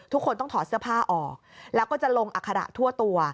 ทุกคนต้องถอดเสื้อผ้าออกแล้วก็จะลงอัคระทั่วตัว